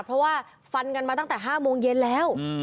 เพราะว่าฟันกันมาตั้งแต่๕โมงเย็นแล้ว